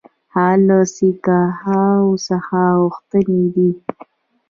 هغه له سیکهانو څخه غوښتي دي.